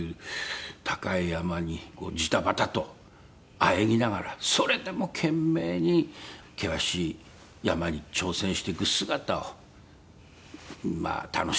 高い山にジタバタとあえぎながらそれでも懸命に険しい山に挑戦していく姿をまあ楽しんでいただいて。